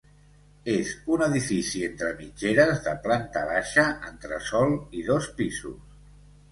És un edifici entre mitgeres de planta baixa, entresòl i dos pisos.